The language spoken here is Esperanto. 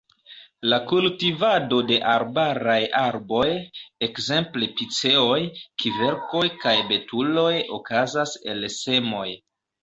La kultivado de arbaraj arboj, ekzemple piceoj, kverkoj kaj betuloj, okazas el semoj.